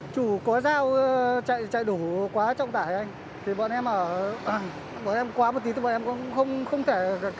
chủ có dao chạy đủ quá trọng tải thì bọn em quá một tí bọn em cũng không thể